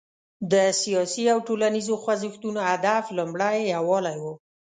د سیاسي او ټولنیزو خوځښتونو هدف لومړی یووالی و.